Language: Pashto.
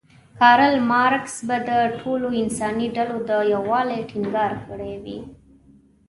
کارل مارکس به د ټولو انساني ډلو د یووالي ټینګار کړی وی.